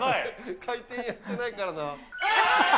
回転やってないからな。